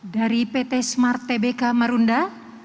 dari pt smart tbk marunda